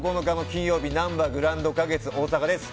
金曜日なんばグランド花月、大阪です。